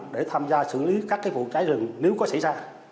để tham gia xử lý các vụ cháy rừng nếu có xảy ra